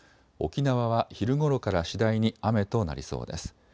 沖縄は昼ごろから次第に雨となりそうです。